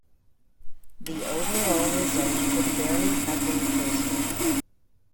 The overall result could barely have been closer.